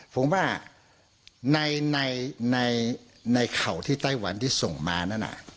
ผมว่าในเข่าที่ไต้หวันที่ส่งมานั่น